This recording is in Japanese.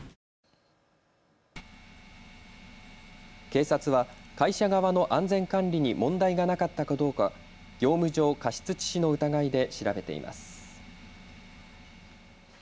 警察は会社側の安全管理に問題がなかったかどうか業務上過失致死の疑いで調べています。